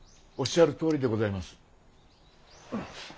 おっしゃるとおりでございます。